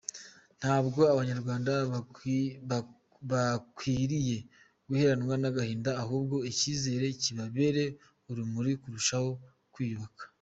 Ntabwo Abanyarwanda bakwiriye guheranwa n’agahinda ahubwo icyizere kibabere urumuri turushaho kwiyubaka”.